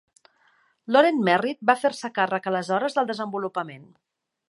Loren Merritt va fer-se càrrec aleshores del desenvolupament.